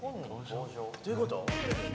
どういうこと？